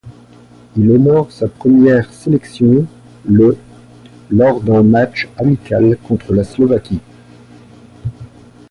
Il honore sa première sélection le lors d'un match amical contre la Slovaquie.